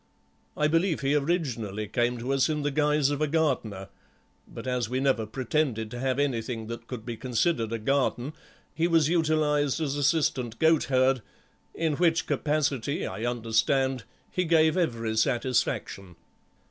I believe he originally came to us in the guise of a gardener, but as we never pretended to have anything that could be considered a garden he was utilised as assistant goat herd, in which capacity, I understand, he gave every satisfaction.